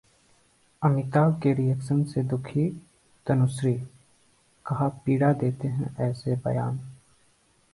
अमिताभ के रिएक्शन से दुखी तनुश्री, कहा- पीड़ा देते हैं ऐसे बयान